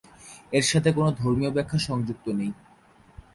এর সাথে কোন ধর্মীয় ব্যাখ্যা সংযুক্ত নেই।